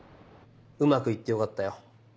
うまく行ってよかったよ。